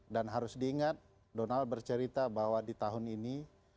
dan harus diingat donald bercerita bahwa di tahun ini